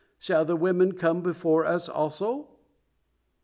Shall the women come before us also?"